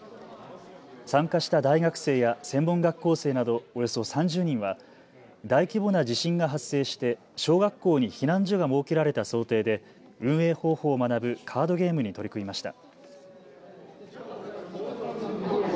参加した大学生や専門学校生などおよそ３０人は大規模な地震が発生して小学校に避難所が設けられた想定で運営方法を学ぶカードゲームに取り組みました。